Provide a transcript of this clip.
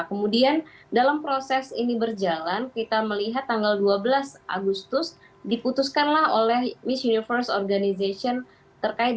kemudian dalam proses ini berjalan kita melihat tanggal dua belas agustus diputuskanlah oleh miss universe organization terkait